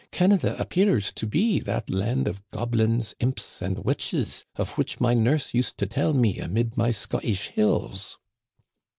Cana da appears to be that land of goblins, imps, and witches of which my nurse used to tell me amid my Scottish hills."